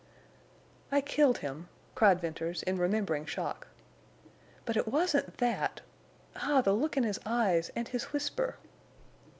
"I killed him," cried Venters, in remembering shock. "But it wasn't that. Ah, the look in his eyes and his whisper!"